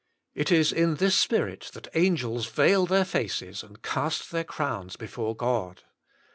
It is in this spirit that angels veil their faces and cast their crowns before God.